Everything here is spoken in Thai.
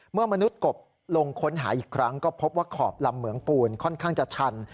มนุษย์กบลงค้นหาอีกครั้งก็พบว่าขอบลำเหมืองปูนค่อนข้างจะชัน